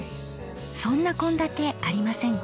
そんな献立ありませんか？